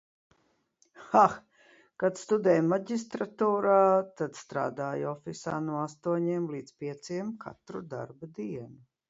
Hah! Kad studēju maģistratūrā, tad strādāju ofisā no astoņiem līdz pieciem katru darba dienu.